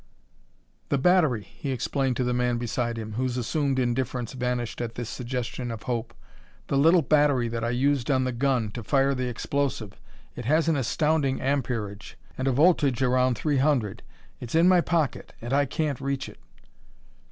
"The battery," he explained to the man beside him, whose assumed indifference vanished at this suggestion of hope; " the little battery that I used on the gun, to fire the explosive. It has an astounding amperage, and a voltage around three hundred. It's in my pocket and I can't reach it!"